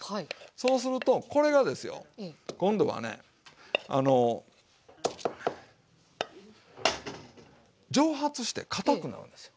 そうするとこれがですよ今度はね。蒸発してかたくなるんですよ。